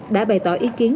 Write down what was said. đã bày tỏ ý kiến